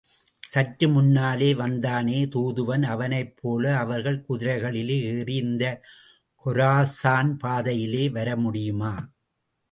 சற்று முன்னாலே, வந்தானே தூதுவன், அவனைப்போல அவர்கள் குதிரைகளிலே ஏறி இந்தக் கொரசான் பாதையிலே வரமுடியுமா?